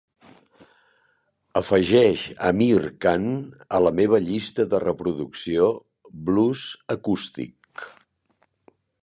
Afegeix Amir Khan a la meva llista de reproducció "Blues acústic".